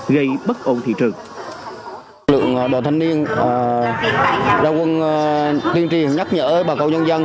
gây bất ổn thị trường